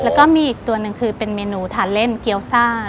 แล้วก็มีอีกตัวหนึ่งคือเป็นเมนูทานเล่นเกี๊ยวซ่า